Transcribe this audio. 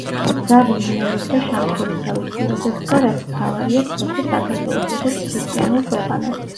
ზავი იმეორებდა შამქორის ზავის პირობებს და, რაც მთავარია, ცნობდა საქართველოს, როგორც ქრისტიანულ ქვეყანას.